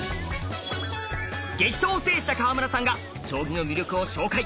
激闘を制した川村さんが将棋の魅力を紹介！